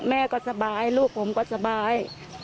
แม่ก็สบายลูกผมก็สบาย